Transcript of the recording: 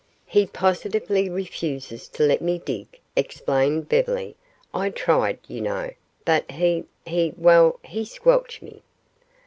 "He positively refuses to let me dig," explained Beverly. "I tried, you know, but he he well, he squelched me."